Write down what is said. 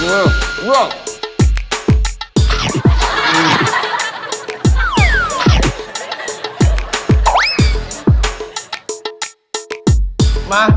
อุ๊ยมาดีของเขาเหลือเยอะ